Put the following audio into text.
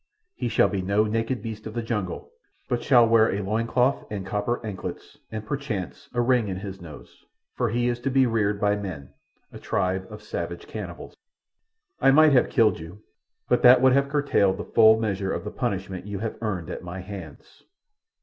He shall be no naked beast of the jungle, but shall wear a loin cloth and copper anklets, and, perchance, a ring in his nose, for he is to be reared by men—a tribe of savage cannibals. "I might have killed you, but that would have curtailed the full measure of the punishment you have earned at my hands.